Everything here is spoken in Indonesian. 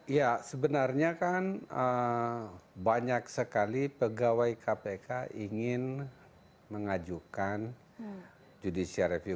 ya sebenarnya kan banyak sekali pegawai kpk ingin mengajukan judicial review